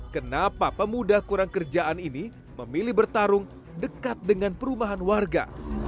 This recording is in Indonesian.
kenapa pemuda kurang kerjaan ini memilih bertarung dekat dengan perumahan warga